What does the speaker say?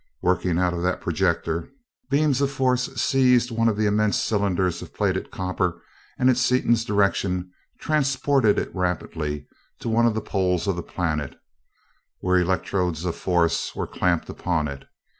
Working out of that projector, beams of force seized one of the immense cylinders of plated copper and at Seaton's direction transported it rapidly to one of the poles of the planet, where electrodes of force were clamped upon it.